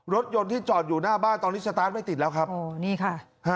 รถยนต์ที่จอดอยู่หน้าบ้านตอนนี้สตาร์ทไม่ติดแล้วครับอ๋อนี่ค่ะ